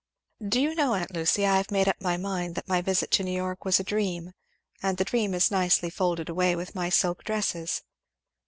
"Do you know, aunt Lucy, I have made up my mind that my visit to New York was a dream, and the dream is nicely folded away with my silk dresses.